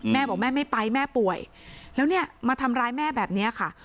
แม่บอกแม่ไม่ไปแม่ป่วยแล้วเนี่ยมาทำร้ายแม่แบบนี้ค่ะ